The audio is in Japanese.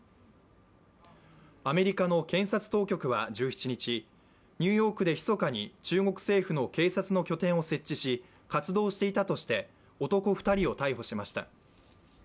アメリカの検察当局は１７日、ニューヨークでひそかに中国政府の警察の拠点を設置し、活動していたとして男２人を逮捕しました。